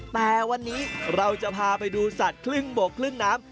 แต่วันนี้เราจะพาไปดูสัตว์ครึ่งบกครึ่งน้ำ